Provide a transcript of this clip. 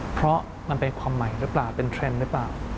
เพราะมันเป็นความใหม่หรือเปล่าเป็นเทรนด์หรือเปล่า